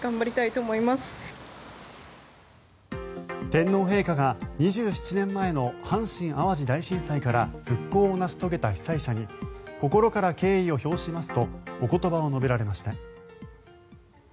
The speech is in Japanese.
天皇陛下が２７年前の阪神・淡路大震災から復興を成し遂げた被災者に心から敬意を表しますとお言葉を述べられました。